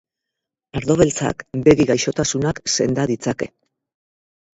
Ardo beltzak begi-gaixotasunak senda ditzake.